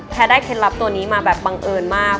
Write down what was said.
ได้เคล็ดลับตัวนี้มาแบบบังเอิญมาก